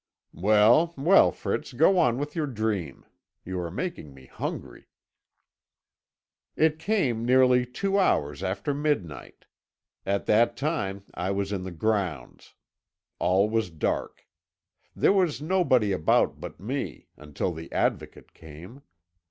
"Well, well, Fritz, go on with your dream. You are making me hungry." "It came nearly two hours after midnight. At that time I was in the grounds. All was dark. There was nobody about but me, until the Advocate came.